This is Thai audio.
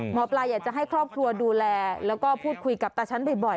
หมอปลาอยากจะให้ครอบครัวดูแลแล้วก็พูดคุยกับตาฉันบ่อย